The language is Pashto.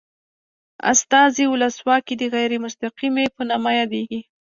استازي ولسواکي د غیر مستقیمې په نامه یادیږي.